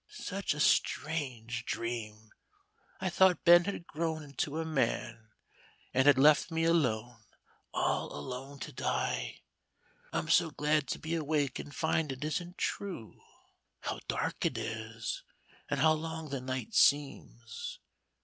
"Such a strange dream, I thought Ben had grown into a man, and had left me alone all alone to die. I'm so glad to be awake and find it isn't true. How dark it is, and how long the night seems!